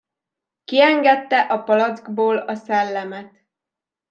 Kiengedte a palackból a szellemet.